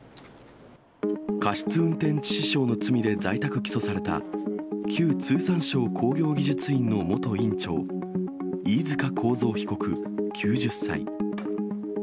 過失運転致死傷の罪で在宅起訴された、旧通産省工業技術院の元院長、飯塚幸三被告９０歳。